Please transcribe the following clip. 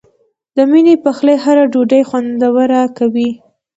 د مینې پخلی هره ډوډۍ خوندوره کوي.